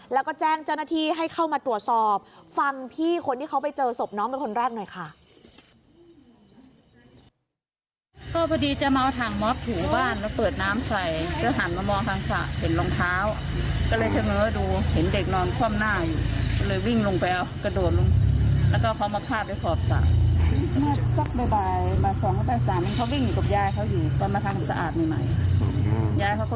แล้วก็แจ้งเจ้าหน้าที่ให้เข้ามาตรวจสอบฟังพี่คนที่เขาไปเจอศพน้องเป็นคนแรกหน่อยค่ะ